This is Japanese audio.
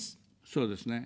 そうですね。